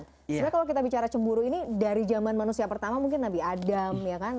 sebenarnya kalau kita bicara cemburu ini dari zaman manusia pertama mungkin nabi adam ya kan